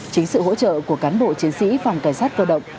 chính sự hỗ trợ của cán bộ chiến sĩ phòng cảnh sát cơ động